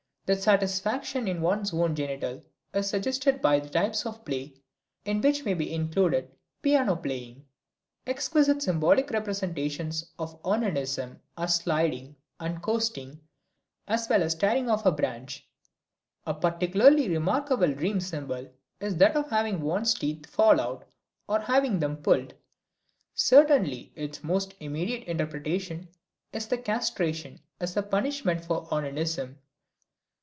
The satisfaction in one's own genital is suggested by all types of play, in which may be included piano playing. Exquisite symbolic representations of onanism are sliding and coasting as well as tearing off a branch. A particularly remarkable dream symbol is that of having one's teeth fall out, or having them pulled. Certainly its most immediate interpretation is castration as a punishment for onanism.